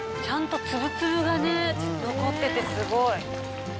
ちゃんとツブツブがね残っててすごい。